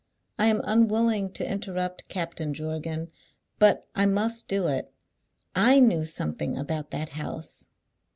I am unwilling to interrupt Captain Jorgan, but I must do it. I knew something about that house."